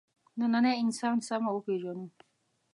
نننی انسان سمه وپېژنو.